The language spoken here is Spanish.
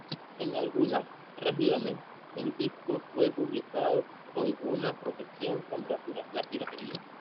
En algunas regiones el disco fue publicado con una protección contra la piratería.